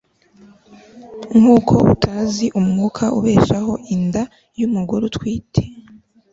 nk'uko utazi umwuka ubeshaho inda y'umugore utwite